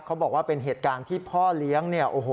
เขาบอกว่าเป็นเหตุการณ์ที่พ่อเลี้ยง